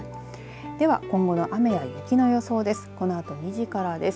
では、今後の雨や雪の予想です。